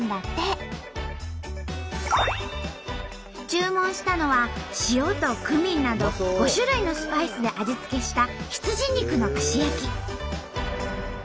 注文したのは塩とクミンなど５種類のスパイスで味付けした羊肉の串焼き。